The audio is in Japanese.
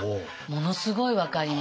ものすごい分かります。